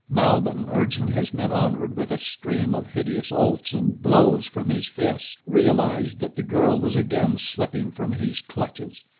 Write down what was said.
Malbihn, urging his men onward with a stream of hideous oaths and blows from his fists, realized that the girl was again slipping from his clutches.